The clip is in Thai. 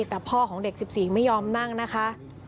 แต่พ่อของเด็ก๑๔ไม่ยอมนั่งนะคะ